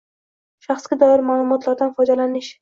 Shaxsga doir ma’lumotlardan foydalanish